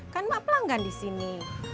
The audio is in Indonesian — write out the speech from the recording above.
kan maaf pelanggan di sini